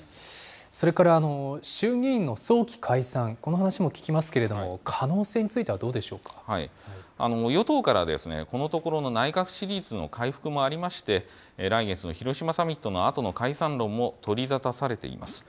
それから衆議院の早期解散、この話も聞きますけれども、可能与党からこのところの内閣支持率の回復もありまして、来月の広島サミットのあとの解散論も取り沙汰されています。